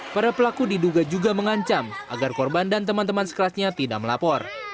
para pelaku diduga juga mengancam agar korban dan teman teman sekelasnya tidak melapor